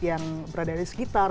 yang berada di sekitar